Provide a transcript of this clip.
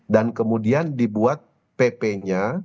dan kemudian dibuat pp nya